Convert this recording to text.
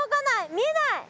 見えない！